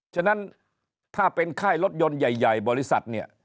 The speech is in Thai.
ฉะนั้นถ้าเป็นค่ายรถยนต์ใหญ่บริษัทเนี่ย